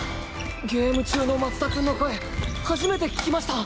ゲーム中の松田君の声初めて聞きました！